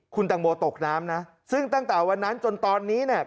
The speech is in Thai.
คุณตังโมตกน้ำนะซึ่งตั้งแต่วันนั้นจนตอนนี้เนี่ย